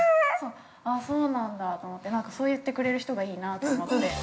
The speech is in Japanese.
◆あ、そうなんだと思ってなんか、そう言ってくれる人がいいなと思って。